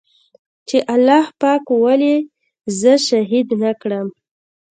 چې الله پاک ولې زه شهيد نه کړم.